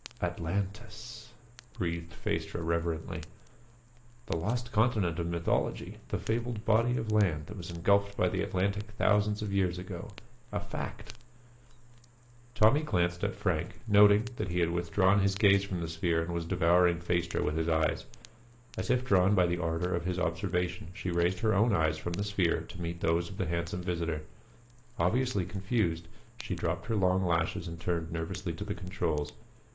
"Atlantis!" breathed Phaestra reverently. The lost continent of mythology! The fabled body of land that was engulfed by the Atlantic thousands of years ago a fact! Tommy glanced at Frank, noting that he had withdrawn his gaze from the sphere and was devouring Phaestra with his eyes. As if drawn by the ardor of his observation, she raised her own eyes from the sphere to meet those of the handsome visitor. Obviously confused, she dropped her long lashes and turned nervously to the controls.